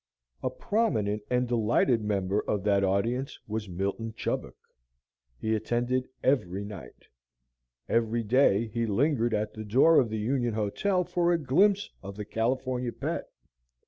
A prominent and delighted member of that audience was Milton Chubbuck. He attended every night. Every day he lingered at the door of the Union Hotel for a glimpse of the "California Pet."